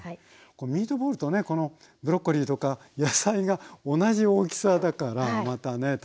ミートボールとねこのブロッコリーとか野菜が同じ大きさだからまたね